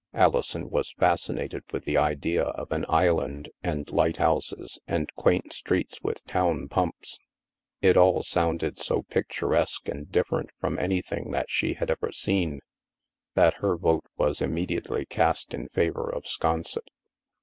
Alison was fascinated with the idea of an island, and light houses, and quaint streets with town pumps; it all sounded so picturesque and different from any thing that she had ever seen, that her vote was im mediately cast in favor of Sconset.